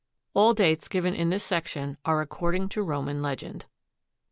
All dates given in this section are according to Roman legend.